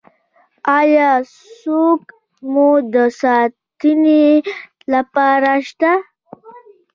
ایا څوک مو د ساتنې لپاره شته؟